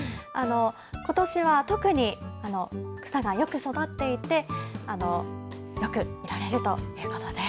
ことしは特に草がよく育っていて、よく見られるということです。